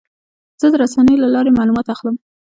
زه د رسنیو له لارې معلومات اخلم.